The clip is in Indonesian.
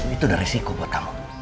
itu udah risiko buat kamu